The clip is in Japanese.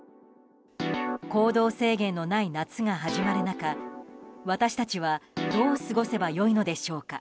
行動制限のない夏が始まる中私たちはどう過ごせば良いのでしょうか。